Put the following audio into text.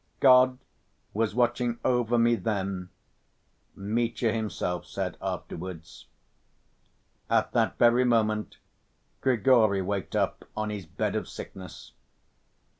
"God was watching over me then," Mitya himself said afterwards. At that very moment Grigory waked up on his bed of sickness.